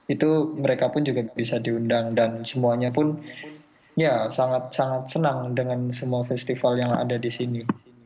itu mereka pun juga bisa diundang dan semuanya pun ya sangat sangat senang dengan semua festival yang ada di sini